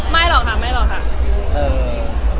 ไม่หรอกค่ะ